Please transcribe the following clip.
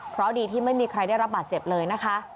เพราะดีที่ไม่มีใครได้รับบาดเจ็บเลยนะคะ